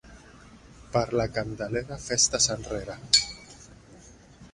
Per la Candelera, festes enrere.